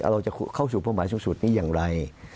เราจะเข้าสู่เป้าหมายสูงสุดนี้อย่างไร